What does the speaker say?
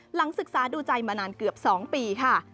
หลังศึกษาดูใจมานานเกือบ๒ปีค่ะ